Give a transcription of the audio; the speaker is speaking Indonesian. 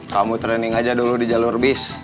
kamu training aja dulu di jalur bis